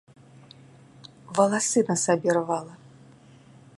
Валасы на сабе рвала.